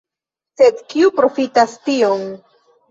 Sed kiu profitas tion?